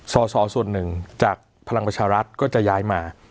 สอสอส่วนหนึ่งจากพลังประชารัฐก็จะย้ายมา